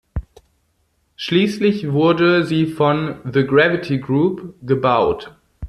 Schließlich wurde sie von "The Gravity Group" gebaut.